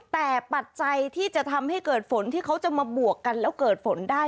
แต่ปัจจัยที่จะทำให้เกิดฝนที่เขาจะมาบวกกันแล้วเกิดฝนได้